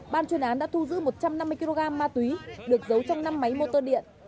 ban chuyên án đã thu giữ một trăm năm mươi kg ma túy được giấu trong năm máy mô tô điện